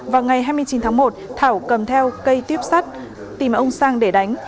vào ngày hai mươi chín tháng một thảo cầm theo cây tuyếp sắt tìm ông sang để đánh